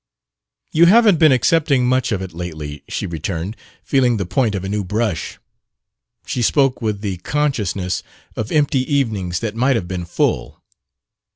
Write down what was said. "You haven't been accepting much of it lately," she returned, feeling the point of a new brush. She spoke with the consciousness of empty evenings that might have been full.